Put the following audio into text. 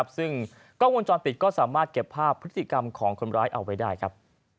ซึ่งกล้องวงจรปิดก็สามารถเก็บภาพพฤติกรรมของคนร้ายเอาไว้ได้ครับ